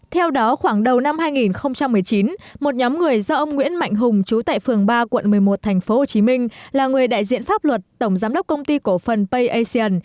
theo đó khoảng đầu năm hai nghìn một mươi chín một nhóm người do ông nguyễn mạnh hùng chú tại phường ba quận một mươi một tp hcm là người đại diện pháp luật tổng giám đốc công ty cổ phần payasian